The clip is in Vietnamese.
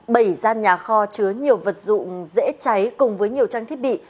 bảy gian nhà kho chứa nhiều vật dụng dễ cháy cùng với nhiều trang thiết bị